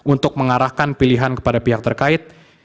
untuk mengarahkan pilihan kepada pihak terkait